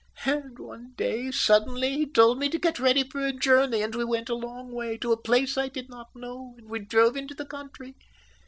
And one day, suddenly, he told me to get ready for a journey, and we went a long way, to a place I did not know, and we drove into the country.